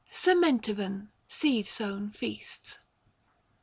SEMENTIVAN (SEED SOWN) FEASTS.